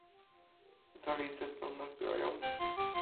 "Zali zacną ma zbroję?"